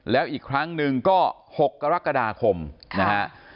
แล้วอีกครั้งหนึ่งก็๖กรกฎาคมนะฮะ